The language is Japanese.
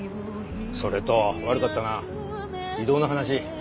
それと悪かったな異動の話。